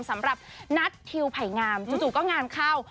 สำหรับนัททิวไผ่งามจู่ก็งานเข้า